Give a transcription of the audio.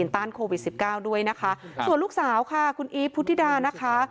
ต้านโควิดสิบเก้าด้วยนะคะส่วนลูกสาวค่ะคุณอีฟพุทธิดานะคะ